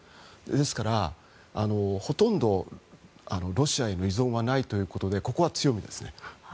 ですから、ほとんどロシアへの依存はないということでここは強みですね。